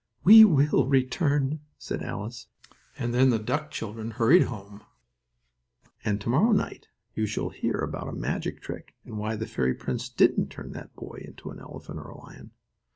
"We will return," said Alice, and then the duck children hurried home, and to morrow night you shall hear about a magic trick and why the fairy prince didn't turn that boy into an elephant or a lion.